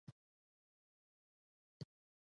انسان له خدای سره تړي.